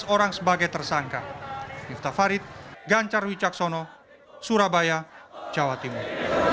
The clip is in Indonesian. empat belas orang sebagai tersangka yuta farid gancar wijaksono surabaya jawa timur